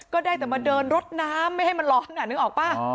ก็ได้แต่มาเดินรถน้ำไม่ให้มันร้อนนึกออกป่ะ